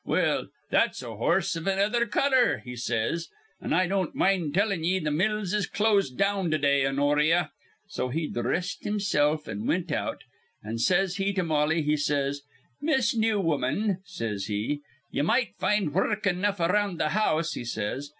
Well, that's a horse iv another color,' he says. 'An' I don't mind tellin' ye th' mills is closed down to day, Honoria.' So he dhressed himsilf an' wint out; an' says he to Mollie, he says: 'Miss Newwoman,' says he, 'ye may find wurruk enough around th' house,' he says.